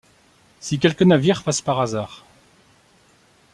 si quelque navire passe par hasard